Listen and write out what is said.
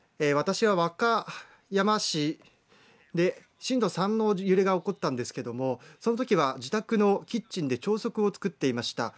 和歌山市で震度３の揺れが起こったんですけどもそのときは自宅のキッチンで朝食を作っていました。